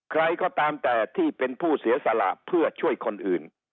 ใครก็ตามแต่ที่เป็นผู้เสียสละเพื่อช่วยคนอื่น